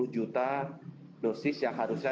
satu juta dosis yang harusnya